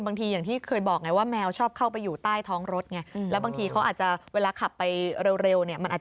บางทีอย่างที่เกิดบอกไงว่าแมวชอบเข้าไปอยู่ใต้ท้องรถไง